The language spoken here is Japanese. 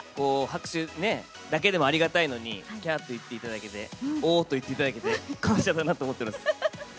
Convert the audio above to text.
拍手だけでもありがたいのに、きゃーって言っていただけて、おーと言っていただけて、感謝だなと思ってます。